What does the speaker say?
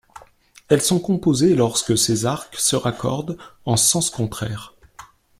Elles sont composées lorsque ses arcs se raccordent en sens contraires.